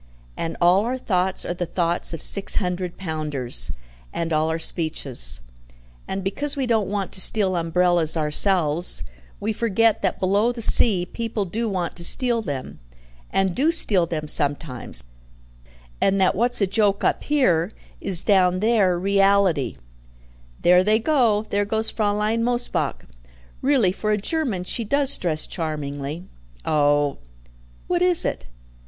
And all our thoughts are the thoughts of six hundred pounders, and all our speeches; and because we don't want to steal umbrellas ourselves, we forget that below the sea people do want to steal them, and do steal them sometimes, and that what's a joke up here is down there reality " "There they go there goes Fraulein Mosebach. Really, for a German she does dress charmingly. Oh !" "What is it?"